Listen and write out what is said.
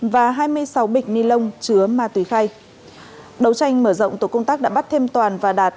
và hai mươi sáu bịch ni lông chứa ma túy khay đấu tranh mở rộng tổ công tác đã bắt thêm toàn và đạt